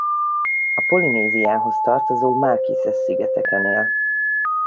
A Polinéziához tartozó Marquises-szigeteken él.